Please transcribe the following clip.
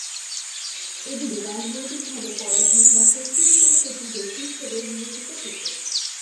এগুলি রাজনৈতিকভাবে পরাধীন বা কর্তৃত্বের প্রতি দোষী হিসাবেও বিবেচিত হত।